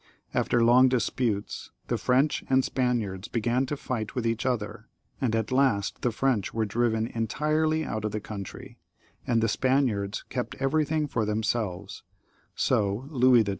After long disputes the French and Spaniards began to fight with each other, and at last the French were driven entirely out of the country, and the Spaniards kept everything for themselves, so Louis XII.